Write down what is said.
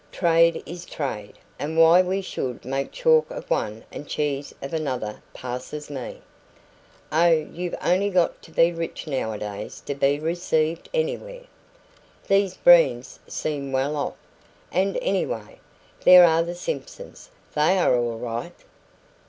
Trade is trade, and why we should make chalk of one and cheese of another passes me. Oh, you've only got to be rich nowadays to be received anywhere. These Breens seem well off, and anyway, there are the Simpsons they are all right.